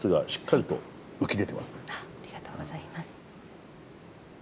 ありがとうございます。